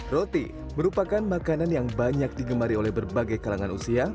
roti merupakan makanan yang banyak digemari oleh berbagai kalangan usia